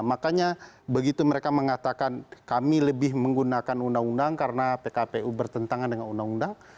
makanya begitu mereka mengatakan kami lebih menggunakan undang undang karena pkpu bertentangan dengan undang undang